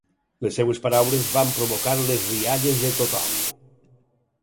Les seves paraules van provocar les rialles de tothom.